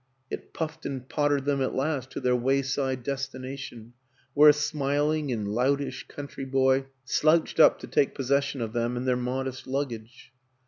It puffed and pottered them at last to their wayside destination where a smiling and loutish country boy slouched up to take possession of them and their modest baggage.